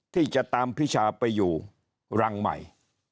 ที่จะตามพิชาไปอยู่รังใหม่